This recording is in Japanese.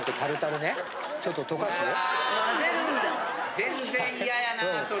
全然嫌やなそれ。